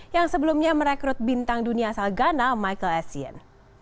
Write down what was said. yang sebelumnya merekrut bintang dunia asal ghana michael essien